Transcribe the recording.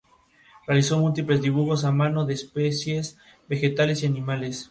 El primer matrimonio de Duna fue con el actor John Carroll.